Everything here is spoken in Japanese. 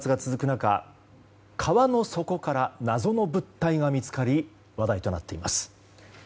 中川の底から謎の物体が見つかり話題となっています。